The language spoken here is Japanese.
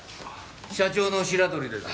社長の白鳥です。